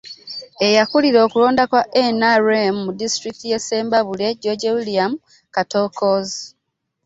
Eyakulira okulonda kwa NRM mu disitulikiti y'e Ssembabule, George William Katokoozi